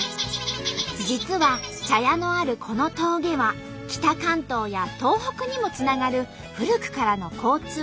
実は茶屋のあるこの峠は北関東や東北にもつながる古くからの交通の要衝。